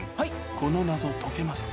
この謎解けますか？